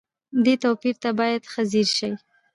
دې توپير ته بايد ښه ځير شئ.